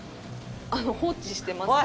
あの放置してます。